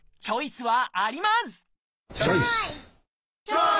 チョイス！